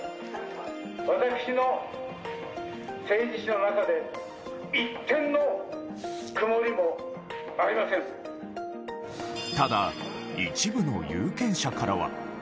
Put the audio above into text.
私の政治史の中で、一点の曇ただ、一部の有権者からは。